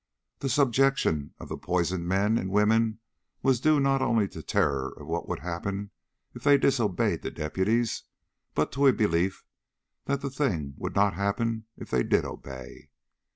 The subjection of the poisoned men and women was due not only to terror of what would happen if they disobeyed the deputies, but to a belief that that thing would not happen if they did obey.